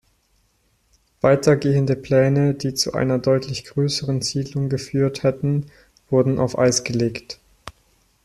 Weitergehende Pläne, die zu einer deutlich größeren Siedlung geführt hätten, wurden auf Eis gelegt.